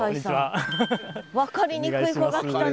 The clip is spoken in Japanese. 分かりにくい子が来たね。